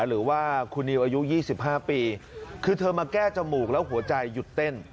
หรือว่าคุณนิวอายุ๒๕ปีคือเธอมาแก้จมูกแล้วหัวใจหยุดเต้น